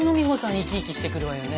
生き生きしてくるわよね。